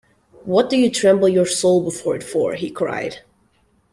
“What do you tremble your soul before it for?” he cried.